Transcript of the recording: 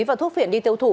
và thuốc phiển đi tiêu thụ